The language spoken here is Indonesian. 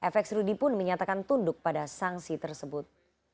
fx rudy pun menyatakan tunduk pada sanksi tersebut